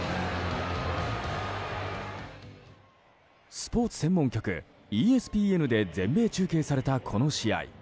スポーツ専門局ＥＳＰＮで全米中継されたこの試合。